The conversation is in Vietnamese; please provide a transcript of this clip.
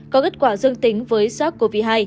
có kết quả dương tính với sars cov hai